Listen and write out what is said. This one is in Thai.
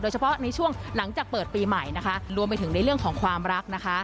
เฉพาะในช่วงหลังจากเปิดปีใหม่นะคะรวมไปถึงในเรื่องของความรักนะคะ